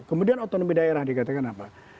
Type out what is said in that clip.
kemudian otonomi daerah dikatakan apa